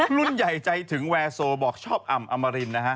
รุ่นใหญ่ใจถึงแวร์โซบอกชอบอ่ำอมรินนะฮะ